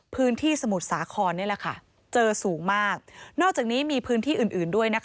พื้นที่สมุทรสาครเจอสูงมากนอกจากนี้มีพื้นที่อื่นด้วย